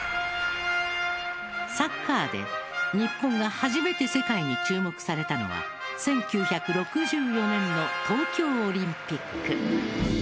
サッカーで日本が初めて世界に注目されたのは１９６４年の東京オリンピック。